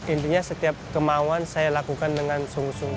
intinya setiap kemauan saya lakukan dengan sungguh sungguh